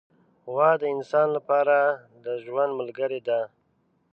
غوا د انسان له پاره د ژوند ملګرې ده.